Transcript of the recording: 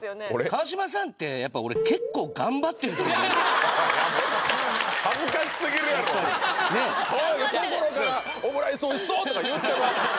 川島さんってやっぱ俺やめろ恥ずかしすぎるやろ心から「オムライスおいしそう」とか言うてます